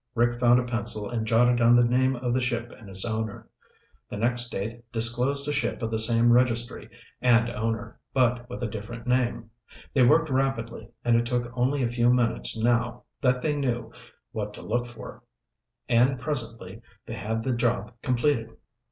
Rick found a pencil and jotted down the name of the ship and its owner. The next date disclosed a ship of the same registry and owner, but with a different name. They worked rapidly and it took only a few minutes now that they knew what to look for, and presently they had the job completed.